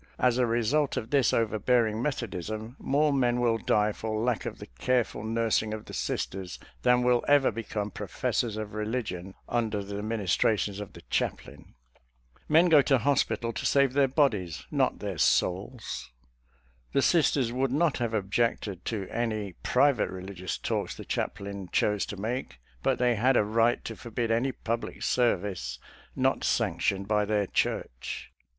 As a result of this overbearing Methodism, more men will die for lack of the careful nursing of the Sisters than will ever become professors of religion under the ministrations of the chaplain. Men go to hos pitals to save their bodies, not their souls. The Sisters would not have objected to any private religious talks the chaplain chose to make, but they had a right to forbid any public service not sanctioned by their Church.